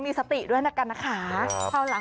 มีสติด้วยนะคะ